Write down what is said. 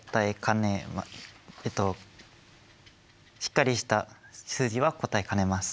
えっとしっかりした数字は答えかねます。